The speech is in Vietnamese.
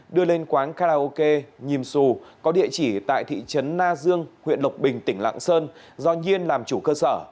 đưa lên quán karaoke nhìm xù có địa chỉ tại thị trấn na dương huyện lộc bình tỉnh lạng sơn do nhiên làm chủ cơ sở